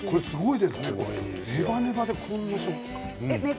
ネバネバでこんな食感。